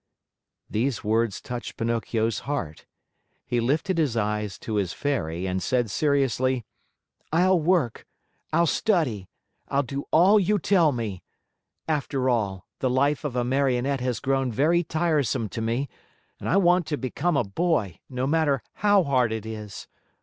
These words touched Pinocchio's heart. He lifted his eyes to his Fairy and said seriously: "I'll work; I'll study; I'll do all you tell me. After all, the life of a Marionette has grown very tiresome to me and I want to become a boy, no matter how hard it is.